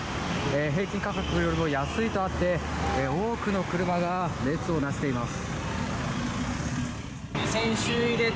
平均価格よりも安いとあって多くの車が列をなしています。